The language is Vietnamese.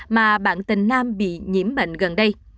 mà bạn tình nam bị nhiễm bệnh gần đây